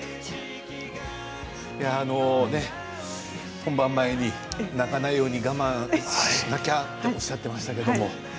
本番前に泣かないように我慢しなきゃとおっしゃっていましたけれども。